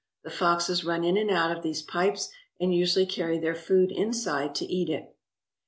The foxes run in and out of these pipes and usually carry their food inside to eat it.